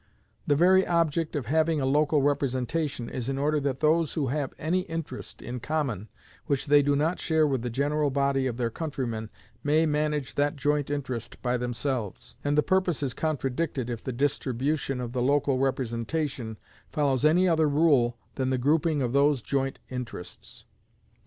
The very object of having a local representation is in order that those who have any interest in common which they do not share with the general body of their countrymen may manage that joint interest by themselves, and the purpose is contradicted if the distribution of the local representation follows any other rule than the grouping of those joint interests.